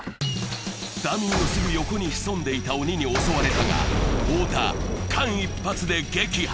ダミーのすぐ横にひそんでいた鬼に襲われたが太田、間一髪で撃破。